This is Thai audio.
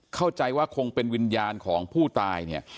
เข้าใจว่าคงเป็นวิญญาณของผู้ตายเนี่ย